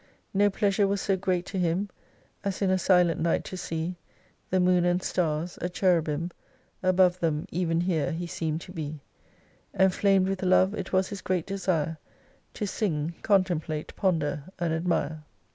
No pleasure was so great to him As in a silent night to see The moon and stars : A cherubim Above them, even here, he seem'd to be : Enflam'd with Love it was his great desire, To sing, contemplate, ponder, and admire.